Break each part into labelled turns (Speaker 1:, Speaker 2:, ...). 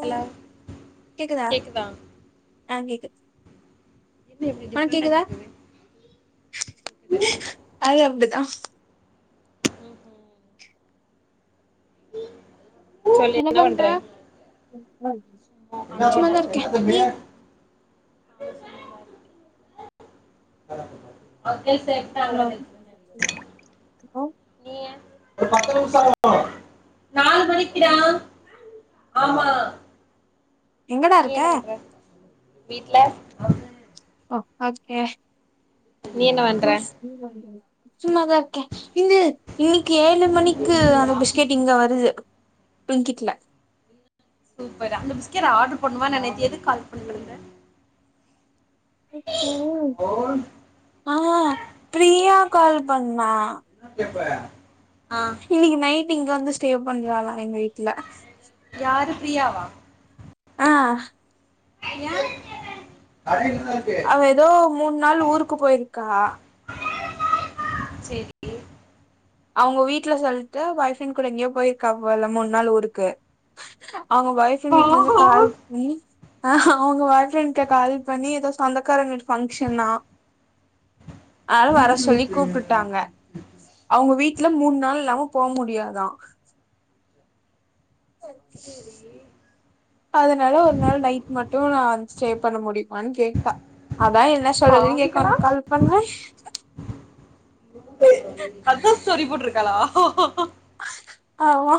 Speaker 1: Hello கேக்குதா
Speaker 2: ஆ கேக்கு
Speaker 1: என்ன இப்டி
Speaker 2: ஆ
Speaker 1: டிஃப்ரெண்டா
Speaker 2: கேக்குதா
Speaker 1: கேக்குது
Speaker 2: அது அப்டிதா
Speaker 1: ம்ம்
Speaker 2: என்ன பண்ற சும்மாதா இருக்க நீ
Speaker 1: நானு சும்மாதா இருக்க [unintelligible] வெல் செட்
Speaker 2: ஹலோ ஹலோ
Speaker 1: [unintelligible] நீயே ஒரு பத்து நிம்ஷோ ஆகுமா நாலு மணிக்குடா ஆமா
Speaker 2: எங்கடா
Speaker 1: நீ
Speaker 2: இருக்க
Speaker 1: என்ன பண்ற வீட்ல
Speaker 2: ஓகே
Speaker 1: நீ என்ன பண்ற
Speaker 2: [inaudible] சும்மதா இருக்கே இந்து இன்னிக்கு ஏழு மணிக்கு அந்த பிஸ்கெட் இங்க வருது பிலிங்கிட்ல
Speaker 1: சூப்பர் அந்த பிஸ்கட் ஆர்டர் போடுனுமான்னு நேத்து எதுக்கு கால் பண்ட்ருந்த
Speaker 2: ச்சோ ஆ பிரியா கால் பண்ணா
Speaker 1: இன்னா கேப்ப
Speaker 2: இன்னிக்கி நைட் ட்டு இங்க வந்து ஸ்டே பண்றலா எங்க வீட்ல
Speaker 1: யாரு பிரியாவா
Speaker 2: ஆ
Speaker 1: ஏ
Speaker 2: அவ எதோ மூன் நாள் ஊருக்கு போயிருக்கா
Speaker 1: சேரி
Speaker 2: அவுங்க வீட்டல சொல்ட்டு பாய் ஃப்ரெண்ட் கூட எங்கியோ போயிருக்கா போல மூன் நாள் ஊருக்கு அவுங்க பாய் ஃப்ரெண்ட் வீட்ல இந்து
Speaker 1: பாவோ
Speaker 2: கால் பண்ணி அவுங்க பாய் ஃப்ரெண்ட கால் பண்ணி எதோ சொந்தக்காரங்க வீட்டு பங்க்ஷனா ஆல வர சொல்லி கூப்ட்டுட்டாங்க [inaudible] அவுங்க வீட்ல மூன் நாள் இல்லாம போ முடியாதா ச [inaudible] அதனால ஒரு நாள் நைட் மட்டு நா ஸ்டே பண்ண முடியுமானு கேட்டா அதா என்ன சொல்றது கேக்க
Speaker 1: பாவிகளா
Speaker 2: உனக்கு கால் பண்ணே
Speaker 1: அதா ஸ்டோரி போட்ருக்காளா
Speaker 2: ஆமா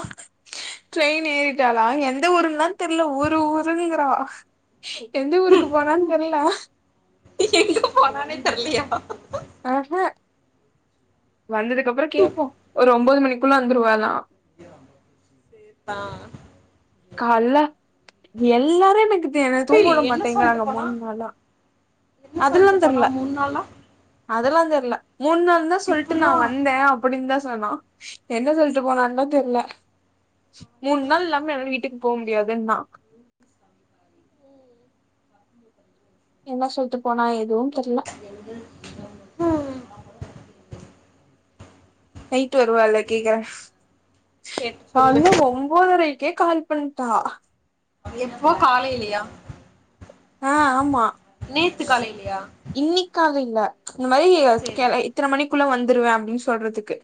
Speaker 2: ட்ரெயின் ஏறிடாளா எந்த ஊருன்தா தெரியல ஊரு ஊருங்கிறா எந்த ஊருகு போனான் தெர்ல
Speaker 1: எங்க போனானே தெர்லயா
Speaker 2: ஆஹ் வந்ததுக்கு அப்புறோ கேப்போ ஒரு ஒம்பது மணிகுள்ள வந்துருவாலா
Speaker 1: இதா
Speaker 2: கால்ல எல்லாரு எனக்கு த்து என தூங்க
Speaker 1: டேய் என்ன சொல்லிட்டு
Speaker 2: விடமாடேங்கிறாங்க
Speaker 1: போனா
Speaker 2: மூன் நாளா
Speaker 1: என்ன
Speaker 2: அதுலா
Speaker 1: சொல்லிட்டு போனா
Speaker 2: தெர்ல
Speaker 1: மூணு நாளா
Speaker 2: அதலா தெர்ல மூன் நாள்தா சொல்ட்டு நா
Speaker 1: எப்புட்றா
Speaker 2: வந்தே அப்பிடின்தா சொனா என்ன சொல்ட்டு போனா தெர்ல மூன்
Speaker 1: பாவிகளா.
Speaker 2: நாள் இல்லாம என்னால வீட் ட்டின் போ முடியாதுன்னா என்னா சொல்ட்டு போனா எதுவு தெர்ல
Speaker 1: ஹம்,
Speaker 2: நைட்டு வருவா இல்ல கேக்கிறே
Speaker 1: கேட்டு
Speaker 2: நா
Speaker 1: சொல்லு
Speaker 2: இன்னு ஒம்பதரை கேக் கால் பண்ட்டா
Speaker 1: எப்போ காலைலியா
Speaker 2: ஆ ஆமா
Speaker 1: நேத்து காலைலியா
Speaker 2: இல்ல இந்த மாரி கேல இதன மணிக் குள்ள வந்துருவே அப்பிடின் சொல்றதுக்கு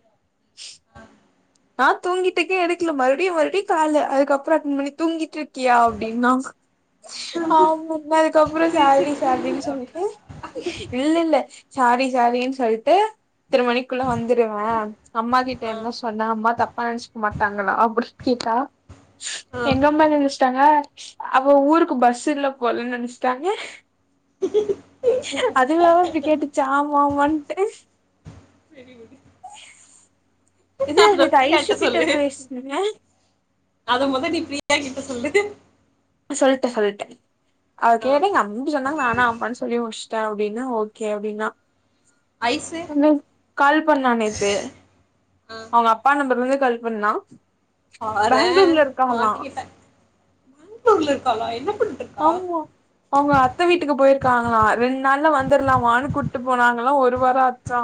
Speaker 2: நா தூங்கிட்டுகே எடுகல மறுடியு மறுடியு கால அதுகபுறோ அட்டன் பண்ணி தூங்கிட்ருக் கியா அப்பிடினா ஆமாம அதுகப்புறோ
Speaker 1: சரி சரி
Speaker 2: சாரிடி
Speaker 1: தூங்கு
Speaker 2: சாரினுடி சொல்ட்டு
Speaker 1: அப்படின்னாளா?
Speaker 2: இல்ல இல்ல சாரி சாரின் சொல்ட்டு இதன மணிகுள்ள வந்துருவ அம்மா கிட்ட
Speaker 1: ஆ,
Speaker 2: என்ன சொல் நா அம்மா தப்பா நெனைசிக்க மாடாங்களா அப்பிடி கேட்டா
Speaker 1: ஆ.
Speaker 2: எங்க அம்மா என்ன நெனசிடாங்க அவ ஊருகு பஸ் இல்ல போலனு நெனசிடாங்க அதுவே அவ இப்பிடி கேட்டுசா ஆமாமான்ட்
Speaker 1: சரி விடு. அத பிரியாட்ட சொல்லு
Speaker 2: பேசுனே
Speaker 1: அத மொத நீ பிரியாட்ட சொல்லு ட்டு
Speaker 2: சொல்டே சொல்டே அவ
Speaker 1: ஆ
Speaker 2: கேட்ட எங் அம்பி சொன்னாங்கனா நா நா அம்பன் சொல்லி முசிடன் அப்பிடினா ஓகே அப்பிடினா
Speaker 1: ஐஸு
Speaker 2: என்னே கால் பண்ணா நேத்து
Speaker 1: ஆ
Speaker 2: அவங்க அப்பா நம்பர்லந்து கால் பண்ணா
Speaker 1: பாறே
Speaker 2: பெங்களூர்ல இருக்காளா
Speaker 1: மாட்டிகிட்டே பேங்களூருல இருகாளா என்ன பண்ணடு இருகா
Speaker 2: க்காங்களா ரெண்டு நாள வந்தரலா வானு கூட்டு போனாகளா ஒரு வாரோ ஆச்சா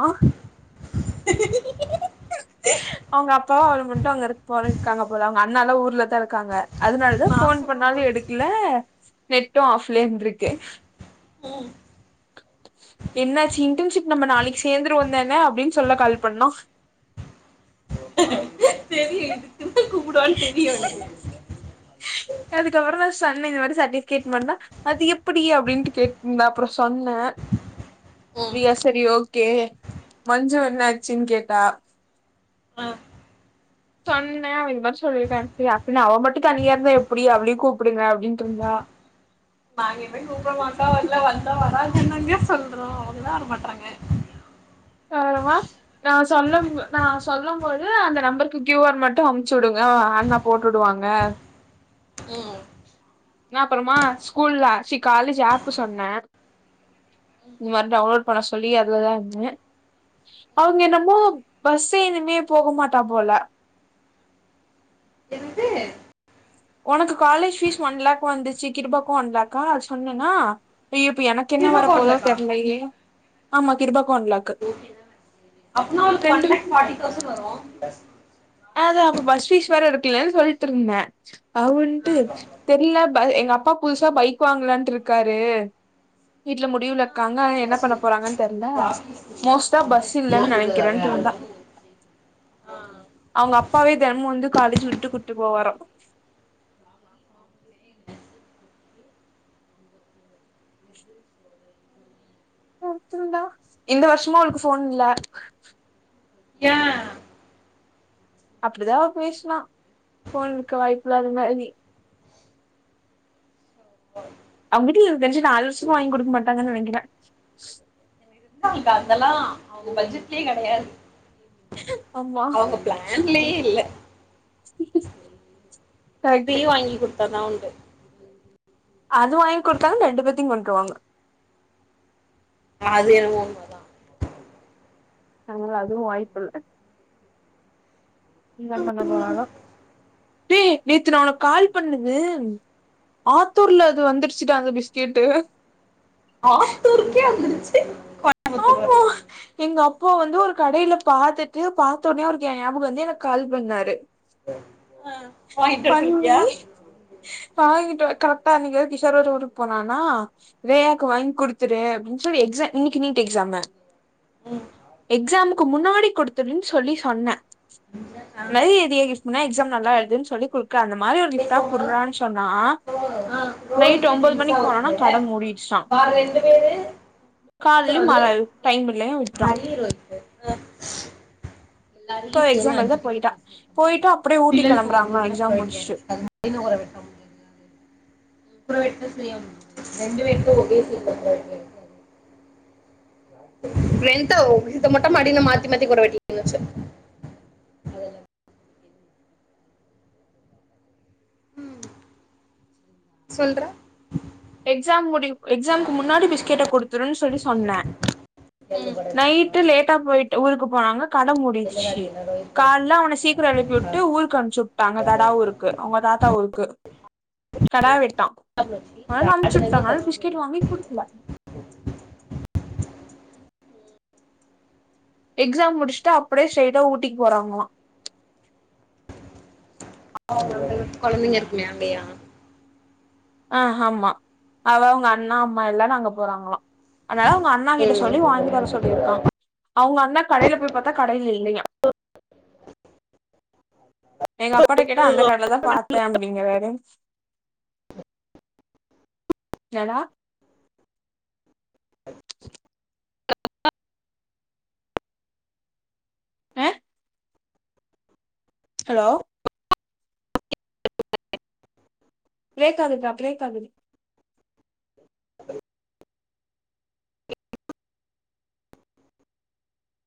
Speaker 2: அவுங்க அப்பாவு அவளு மட்டு அங்க இருக் போற இருகாங்க போல அவுங்க அண்ணாலா ஊர்லதா இருகாங்க அதனாலதா ஃபோன்
Speaker 1: மாசமா
Speaker 2: பண்ணாலு
Speaker 1: போச்சு
Speaker 2: எடுகல நெட்டு ஆஃப்லே இருந்திருகு
Speaker 1: ம்.
Speaker 2: என்னாசி இன்டன்ஷிப் நம்ம நாளைக்கு சேந்துருவதான அப்பிடின் சொல்ல கால் பண்ணோ
Speaker 1: தெரியு இதுக்குதா கூப்புடுவான் தெரியு எனக்கு
Speaker 2: க்கப்புறோதா சொன்னே இந்த மாரி சட்டிஃபிகேட் பண்ணா அது எப்பிடி அப்பிடின்ட்டு கேட்டுந்தா அப்புறோ சொன்ன
Speaker 1: ம்.
Speaker 2: ப்பிடியா சரி ஓ கே மஞ்சு என்ன ஆச்சின் கேட்டா
Speaker 1: ஆ.
Speaker 2: சொன்னே அவ இது மாரி சொல்லிருக்கான்ட்டு அப்பிடின் அவ மட்டு தனியா இருந்தா எப்பிடி அவளியு கூப்பிடுங்க அப்பிடின்ட்டு இருந்தா
Speaker 1: மங்கிப்ப கூப்படமாட்டா வல வந்தா வரா என்னாங்க சொல்றோ அவதா வரமாட்றாங்க
Speaker 2: [unintelligible] நா சொல்ல நா சொல்லும்போது அந்த நம்பருக்கு கியுஆர் மட்டு அமுச்சிவுடுங்க அண்ணா போட்டுடுவாங்க நா அப்புறமா ஸ்கூல்ல சி காலேஜ் ஆப் சொன்னே இந்த மாரி டவுன்லோட் பண்ண சொல்லி அதுதான்னு அவுங்க என்னமோ பஸ் எதுமே போக மாட்டா போல
Speaker 1: என்னது
Speaker 2: உனக்கு காலேஜ் ஃபீஸ் ஒன் லேக் வந்துச்சி கிரபாக்கோ ஒன் லேக்கா ஆ சொன்னேன்னா அய்யோ இப்ப எனக்கு என்ன வர போதோ
Speaker 1: திரும்பக்கோண்டலக்கா
Speaker 2: தெரிலயே ஆமா கிர்பா
Speaker 1: அப்பணாளுக்கு
Speaker 2: ரெண்டு
Speaker 1: ஒன்லாக் ஃபாட்டிதௌசண்ட் வரு
Speaker 2: அதா அப்ப பஸ்ஃபீஸ்வர இருக்குல்லன்னு சொல்லிட்டு இருந்தே அவரு வந்துட்டு தெரியல எங்க அப்பா புதுசா பைக் வாங்கலான்ட்டு இருக்காரு வீட்டுல முடிவுல இருக்காங்க
Speaker 1: இந்த
Speaker 2: என்ன பண்ண போறாங்கன் தெரில
Speaker 1: ராக்கி
Speaker 2: மோஸ்டா பஸ் இல்லன்னு நெனைக்கிறேன்ட்ருந்தா
Speaker 1: ஆ.
Speaker 2: அவங்க அப் அப்பாவே தினமு வந்து காலேஜு விட்டு கூட்டு போவாரா இந்த வருஷமு அவளுக்கு ஃபோன் இல்ல
Speaker 1: யா
Speaker 2: அப்படிதா அவ பேசுனா ஃபோன் குடுக்க வாய்ப்புல்ல அது மாரி அவங்கிட்ட எனக்கு தெரிஞ்சி நாலுசவருசமா வாங்கி கொடுக்க மாட்டாங்கன்னு நனைக்குறே
Speaker 1: இருக்கா அதெல்லா அவங்க பட்ஜெட்லே கெடையாது
Speaker 2: ஆமா
Speaker 1: அவங்க பிளான்லயே இல்ல ஸ்பி
Speaker 2: கரெக்ட்டு
Speaker 1: வாங்கி கொடு பன்னா உண்டு
Speaker 2: அது வாங்கி கொடுத்தாலு ரெண்டு பேத்தையு கொண்டுருவாங்க
Speaker 1: அது என்னவோ உண்மை தா
Speaker 2: நல்ல வேல அதுவு வாய்ப்பு இல்ல என்ன பண்ண போறு ஏ நேத்த ந உன கால் பண்ணுது ஆத்தூர்ல அது வந்துருச்சுட்டா அந்த பிஸ்கட்டு
Speaker 1: ஆத்தூருக்கே வந்துருச்சு கோயம்புத்தூருக்கு வரல
Speaker 2: ஒங்க அப்பா வந்து ஒரு கடையில பாத்துட்டு பார்த்த உடனே ஒரு ஞாபக்கு வந்து எனக்கு கால் பண்ணாரு
Speaker 1: ஆ வாங்கிட்டு வர சொல்ட்டியா
Speaker 2: பண்ணி வாங்கிட்டு வ கரெக்ட்டா இன்னைக் கிஷோரோட ஊருக்கு போனானா ரேயாக்கு வாங்கி குடுத்துரு அப்படின்னு சொல்லி எக்ஸா இன்னைக்கு நீட் எக்ஸாமு எக்ஸாமுக்கு முன்னாடி கொடுத்துருனு சொல்லி சொன்னே நறையன்ன எக்ஸாம் நல்லாஎழுதுன்னு சொல்லி குடுக்க அந்த மாரி ஒரு கிஃப்ட்டா குடுறான்னு சொன்னா நைட் ஒன்பது மணிக்கு போனோம்னா கட மூடிடுச்சா காலையு மழ டைம் இல்லையா விட்றா சோ எக்ஸாம் எழுத போயிட்டா போயிட்டா அப்படியே ஊட்டி கிளம்புறாங்க எக்ஸாம் முடிச்சுடு
Speaker 1: ரெண்டு வேகோ ஒரே [unintelligible] [unintelligible] ன்டோ இத மொட்ட மாட்டில மாத்தி மாத்தி குட வெட்டி இருந்துச்சு சொல்றா
Speaker 2: எக்ஸாம் முடி எஸ்சாமுக்கு முன்னாடி பிஸ்கேட்ட குடுத்துருன்னு சொல்லி சொன்ன நைட்டு லேட்டா போயட்டு ஊருக்கு போனாங்க கட முடிட்ச்சு கால்ல அவன சீக்கரோ எழுப்பி விட்டு ஊருக்கு அனுச்சுட்டாங்க தடா ஊருக்கு அவங்க தாத்தா ஊருக்கு கெடா வெட்டா ஆ நம்ச்சுட்டாங்க பிஸ்கட் வாங்கி குடுக்ல எக்ஸாம் முடிச்சுட் அப்படியே ஸ்ட்ரைட்டா ஊட்டிக் போறாங்களா
Speaker 1: கொழந்தைங்க இருக்கா [unintelligible]
Speaker 2: ஆ ஆமா அதா உங்க அண்ணா அம்மா எல்லார் அங்க போறாங்களா அதனால அவ்ங்க அண்ணா கிட்ட சொல்லி வாங்கி தர சொல்லிருக்கா அவங்க அண்ணா கடையில போய் பாத்தா கடையில இல்லயா எங்க அப்பாட்ட கேட்டா அந்த கடைல தா பாத் தஃம்பிங்க வேறன்ஸ் எனஃடா [unintelligible] [inaudible] ஆ ஹலோ பிரேக் ஆகுதுக்க பிரேக் ஆகுது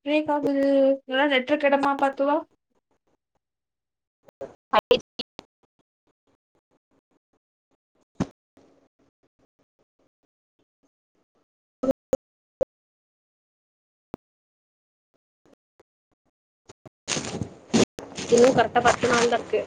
Speaker 2: பிரேக் ஆகுது நல்லா நெட்டு இருக்க எடமா பாத்து வா
Speaker 1: [unintelligible] இன்னு கரெக்ட்டா பத்து நாள்தா இர்கு